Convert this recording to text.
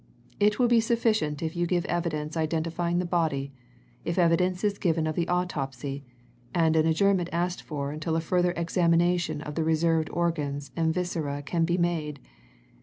It will be sufficient if you give evidence identifying the body, if evidence is given of the autopsy, and an adjournment asked for until a further examination of the reserved organs and viscera can be made.